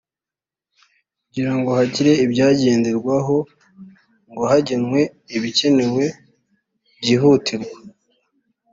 kugirango hagire ibyagenderwaho ngo hagenwe ibikenewe byihutirwa